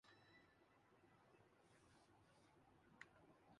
bridal fashion week کا دوسرا روز خوبصورت عروسی جوڑوں کی دھوم